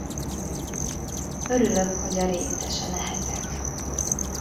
Örülök, hogy a részese lehetek.